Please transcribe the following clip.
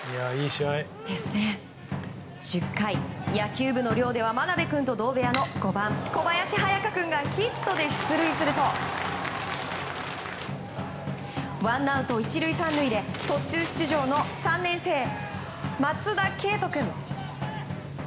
１０回、野球部の寮では真鍋君と同部屋の５番、小林隼翔君がヒットで出塁するとワンアウト１塁３塁で途中出場の３年生松田啓杜君。